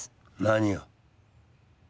何を？